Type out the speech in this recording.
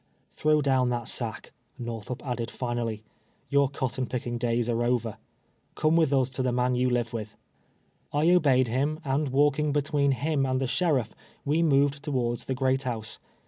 " Throw down that sack," Xorthup added, finally ;" your cotton picking days are over. Come with us to the man you live with." I obeyed him, and walking between him and the sheriff, Vv'e moved towards the great house.